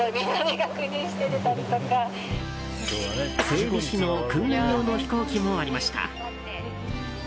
整備士の訓練用の飛行機もありました。